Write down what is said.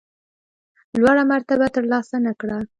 لوړه مرتبه ترلاسه نه کړه.